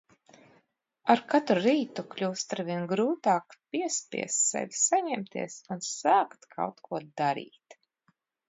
Ar katru rītu kļūst aizvien grūtāk piespiest sevi saņemties un sākt kaut ko darīt.